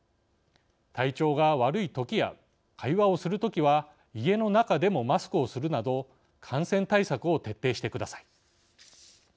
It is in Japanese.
体調が悪いときや会話をするときは家の中でもマスクをするなど感染対策を徹底してください。